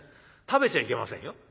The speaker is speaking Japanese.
食べちゃいけませんよ。